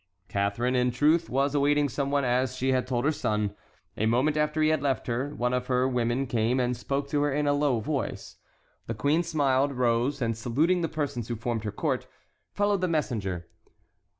Catharine, in truth, was awaiting some one as she had told her son. A moment after he had left her, one of her women came and spoke to her in a low voice. The queen smiled, rose, and saluting the persons who formed her court, followed the messenger.